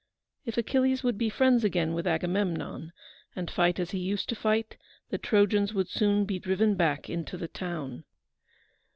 If Achilles would be friends again with Agamemnon, and fight as he used to fight, the Trojans would soon be driven back into the town.